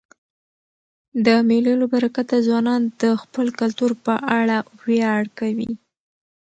د مېلو له برکته ځوانان د خپل کلتور په اړه ویاړ کوي.